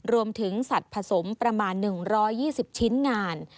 รวมถึงสัตว์ผสมประมาณหนึ่งร้อยยี่สิบชิ้นงาน